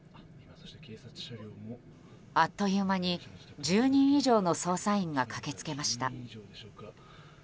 あっという間に１０人以上の捜査員が駆け付けました。